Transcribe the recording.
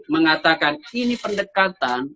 mengatakan ini pendekatan